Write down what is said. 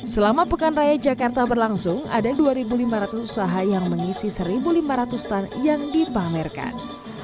selama pekan raya jakarta berlangsung ada dua lima ratus usaha yang mengisi satu lima ratus stand yang dipamerkan